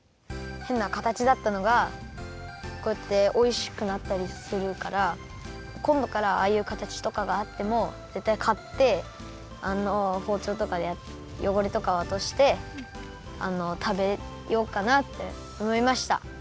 変な形だったのがこうやっておいしくなったりするからこんどからはああいう形とかがあってもぜったいかってあのほうちょうとかでよごれとかをおとしてたべようかなっておもいました。